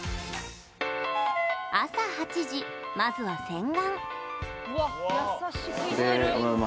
朝８時、まずは洗顔。